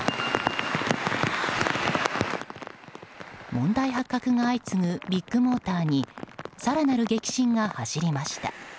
問題発覚が相次ぐビッグモーターに更なる激震が走りました。